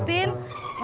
aduh jadi ngerepotin